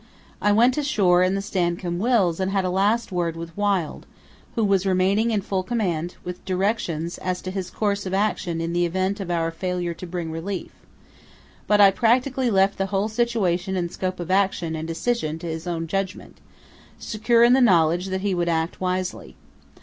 I went ashore in the Stancomb Wills and had a last word with Wild, who was remaining in full command, with directions as to his course of action in the event of our failure to bring relief, but I practically left the whole situation and scope of action and decision to his own judgment, secure in the knowledge that he would act wisely.